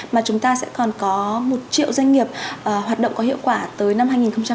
mà chúng ta sẽ còn có một triệu doanh nghiệp hoạt động có hiệu quả tới năm hai nghìn hai mươi